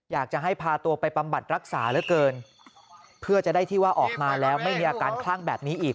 อยากจะให้พาตัวไปบำบัดรักษาเหลือเกินเพื่อจะได้ที่ว่าออกมาแล้วไม่มีอาการคลั่งแบบนี้อีก